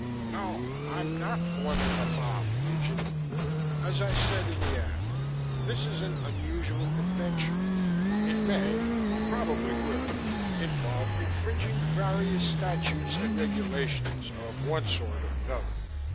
"No, I'm not forming a mob, Legion. As I said in the ad this is an unusual adventure. It may probably will involve infringing various statutes and regulations of one sort or another.